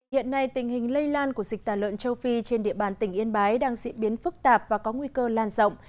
hiện nay tình hình lây lan của dịch tà lợn châu phi trên địa bàn tỉnh yên bái đang diễn biến phức tạp và có nguy cơ lan rộng